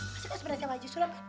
masa kau sebenarnya sama aja sulap